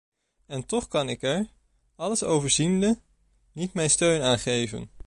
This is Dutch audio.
En toch kan ik er, alles overziende, niet mijn steun aan geven.